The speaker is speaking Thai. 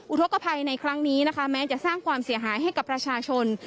อุทธกภัยในครั้งนี้นะคะแม้จะสร้างความเสียหายให้กับประชาชน